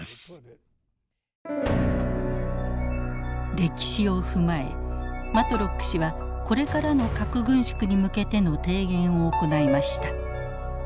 歴史を踏まえマトロック氏はこれからの核軍縮に向けての提言を行いました。